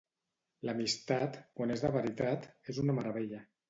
L'amistat, quan és de veritat, és una meravellla.